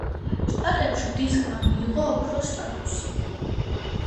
შტატებში დისკმა მიიღო ოქროს სტატუსი.